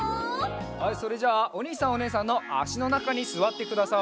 はいそれじゃあおにいさんおねえさんのあしのなかにすわってください。